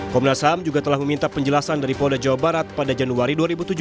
komnas ham juga telah meminta penjelasan dari polda jawa barat pada januari dua ribu tujuh belas